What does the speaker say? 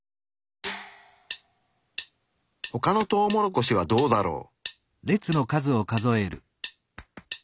ほかのトウモロコシはどうだろう？